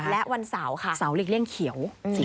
และวันเสาร์ค่ะเสาหลีกเลี่ยงเขียว